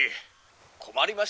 「困りましたな。